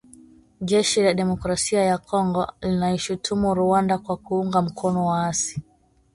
Jeshi la Demokrasia ya Kongo linaishutumu Rwanda kwa kuunga mkono waasi